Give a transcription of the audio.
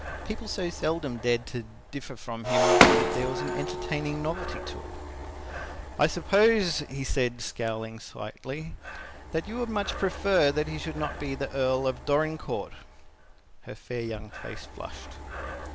People so seldom dared to differ from him that there was an entertaining novelty in it. "I suppose," he said, scowling slightly, "that you would much prefer that he should not be the Earl of Dorincourt." Her fair young face flushed.